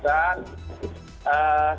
sampai pada hari ini